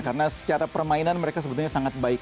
karena secara permainan mereka sebetulnya sangat baik